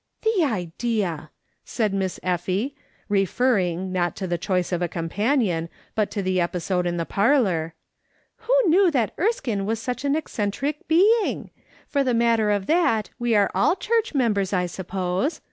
" The idea !" said Miss Effie, referring, not to the choice of a companiou, but to the episode in the parlour. " Who knew that Erskine was such an eccentric being ! Eor the matter of that, we are all church members, I suppose.